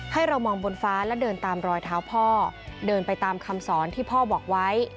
ให้เรามองบนฟ้าและเดินตามรอยเท้าพ่อเดินไปตามคำสอนที่พ่อบอกไว้